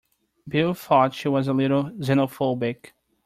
Bill thought she was a little xenophobic.